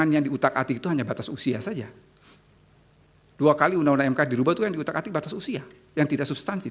inilah hukum pembuktian pembuktian yang mudah dibuang israeli